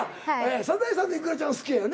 「サザエさん」のイクラちゃんは好きやよね。